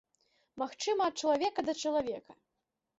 Магчыма, ад чалавека да чалавека.